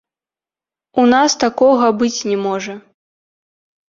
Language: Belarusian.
У нас такога быць не можа!